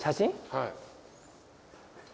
はい。